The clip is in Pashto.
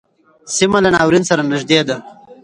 سیمه له ناورین سره نږدې ده.